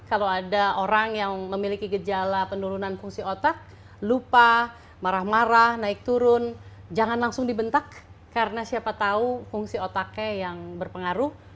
kalau ada orang yang memiliki gejala penurunan fungsi otak lupa marah marah naik turun jangan langsung dibentak karena siapa tahu fungsi otaknya yang berpengaruh